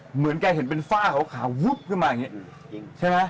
เหมือนแกเห็นเป็นฝ้าขาววุบขึ้นมาอย่างนี้ใช่ไหม